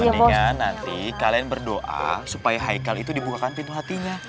mendingan nanti kalian berdoa supaya haikal itu dibukakan pintu hatinya